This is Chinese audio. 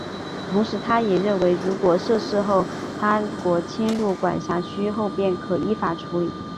同时他也认为如果设市后当他国侵入管辖区后便可依法处理。